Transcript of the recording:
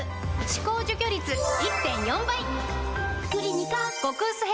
歯垢除去率 １．４ 倍！